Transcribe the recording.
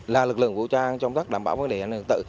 là lực lượng vũ trang trong các đảm bảo vấn đề hành động tự